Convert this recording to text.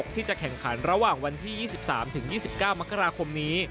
ที่จะแข่งขันระหว่างวันที่๒๓๒๙มกราคมนี้